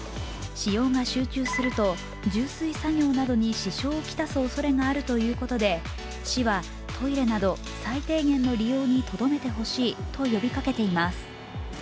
使用が集中すると充水作業などに支障を来すおそれがあるということで市は、トイレなど最低限の利用にとどめてほしいと呼びかけています。